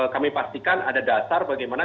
kami pastikan ada dasar bagaimana